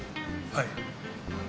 はい。